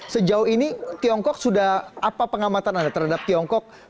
sejauh ini tiongkok sudah apa pengamatan anda terhadap tiongkok